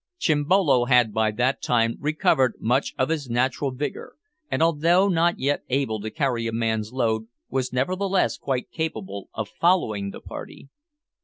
Chimbolo had by that time recovered much of his natural vigour, and although not yet able to carry a man's load, was nevertheless quite capable of following the party.